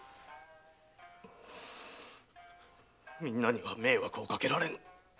みんなには迷惑をかけられん。